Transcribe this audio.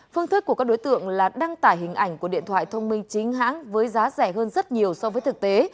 phương thức của các đối tượng là đăng tải hình ảnh của điện thoại thông minh chính hãng với giá rẻ hơn rất nhiều so với thực tế